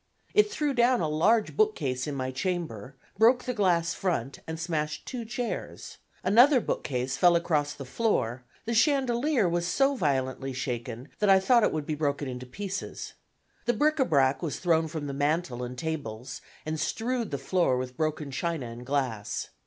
It threw down a large bookcase in my chamber, broke the glass front, and smashed two chairs; another bookcase fell across the floor; the chandelier was so violently shaken that I thought it would be broken into pieces. The bric a brac was thrown from the mantel and tables, and strewed the floor with broken china and glass.